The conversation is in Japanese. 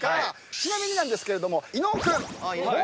ちなみにですけれども伊野尾君猛